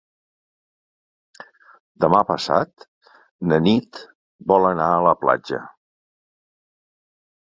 Demà passat na Nit vol anar a la platja.